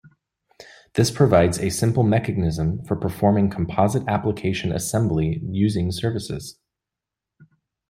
This provides a simple mechanism for performing composite application assembly using services.